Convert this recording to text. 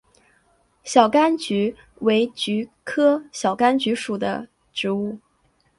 小甘菊为菊科小甘菊属的植物。